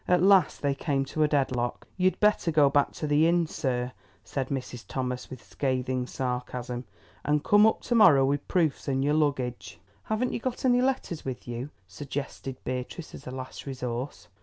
At last they came to a dead lock. "Y'd better go back to the inn, sir," said Mrs. Thomas with scathing sarcasm, "and come up to morrow with proofs and your luggage." "Haven't you got any letters with you?" suggested Beatrice as a last resource.